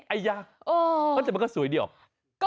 ไอ้ย่างแต่มันก็สวยดีหรอ